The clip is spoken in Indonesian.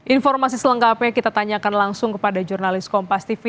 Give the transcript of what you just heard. informasi selengkapnya kita tanyakan langsung kepada jurnalis kompas tv